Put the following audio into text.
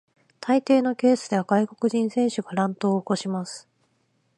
大抵のケースでは外国人選手が乱闘を起こします。